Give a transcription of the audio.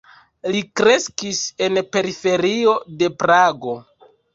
Li kreskis en periferio de Prago.